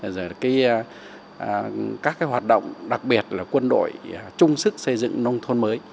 rồi các hoạt động đặc biệt là quân đội trung sức xây dựng nông thôn mới